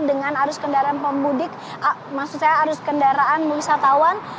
dengan arus kendaraan pemudik maksud saya arus kendaraan wisatawan